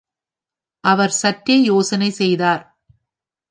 அவர் சற்றே யோசனை செய்தார்.